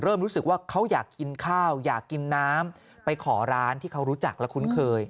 รู้สึกว่าเขาอยากกินข้าวอยากกินน้ำไปขอร้านที่เขารู้จักและคุ้นเคย